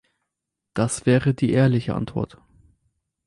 Das wäre die ehrliche Antwort.